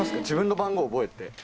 自分の番号覚えて。